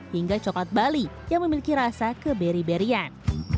hingga coklat bali yang memiliki rasa keberry berian